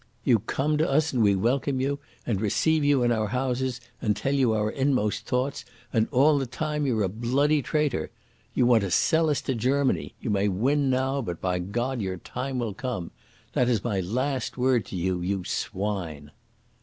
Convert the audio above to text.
You come to us and we welcome you, and receive you in our houses, and tell you our inmost thoughts, and all the time you're a bloody traitor. You want to sell us to Germany. You may win now, but by God! your time will come! That is my last word to you ... you swine!"